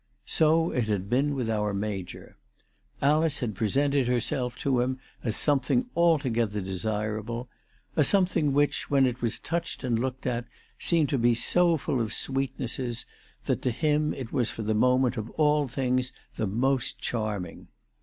So it had been with our Major. Alice had presented herself to him as something altogether desir able, a something which, when it was touched and looked at, seemed to be so full of sweetnesses, that to him it was for the moment of all things the most charming.